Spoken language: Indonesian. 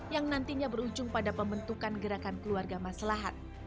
yang nantinya berujung pada pembentukan gerakan keluarga maslahat